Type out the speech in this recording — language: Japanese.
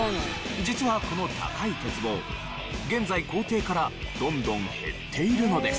実はこの高い鉄棒現在校庭からどんどん減っているのです。